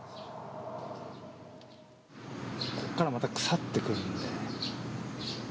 ここから、また腐ってくるんで。